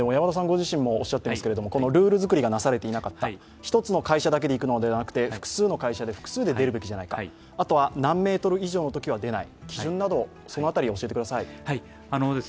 ご自身もおっしゃっていましたけどもルール作りがなされていなかった、一つの会社だけで行くのではなくて複数の会社、複数で行くべきではないか、あとは何メートル以上のときは出ないと基準など、その辺りのことを教えてください。